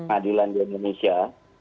adilan di indonesia